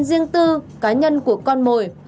riêng tư cá nhân của con mồi